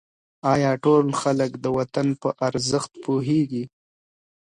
آیا ټول خلک د وطن په ارزښت پوهېږي؟